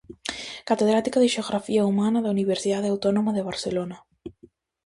Catedrática de Xeografía Humana da Universidade Autónoma de Barcelona.